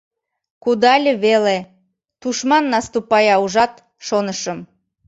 Кудале веле, — тушман наступая ужат, шонышым...